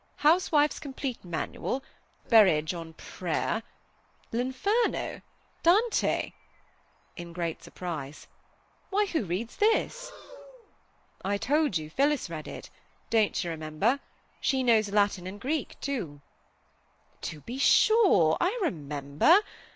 "Housewife's complete Manual; Berridge on Prayer; L'Inferno—Dante!" in great surprise. "Why, who reads this?" "I told you Phillis read it. Don't you remember? She knows Latin and Greek, too." "To be sure! I remember!